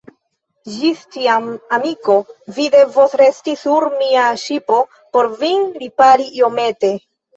Ĝis tiam, amiko, vi devos resti sur mia ŝipo por vin ripari iomete.